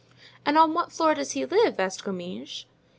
"And on what floor does he live?" asked Comminges.